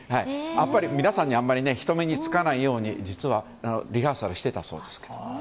やっぱり皆さんに人目につかないように実はリハーサルしていたそうです。